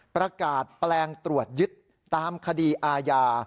ประกาศแปลงตรวจยึดตามคดีอาญา